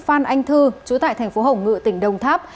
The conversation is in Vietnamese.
phan anh thư chủ tại thành phố hồng ngựa tỉnh đồng tháp